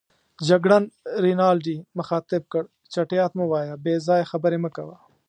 جګړن رینالډي مخاطب کړ: چټیات مه وایه، بې ځایه خبرې مه کوه.